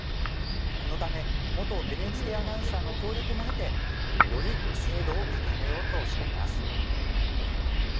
このため元ＮＨＫアナウンサーの協力も得てより精度を高めようとしています。